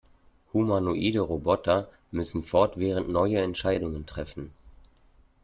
Humanoide Roboter müssen fortwährend neue Entscheidungen treffen.